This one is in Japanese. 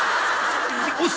押忍。